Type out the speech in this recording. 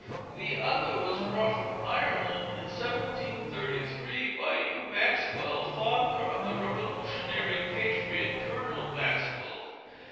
The other was brought from Ireland in 1733 by Hugh Maxwell, father of the Revolutionary patriot Colonel Maxwell.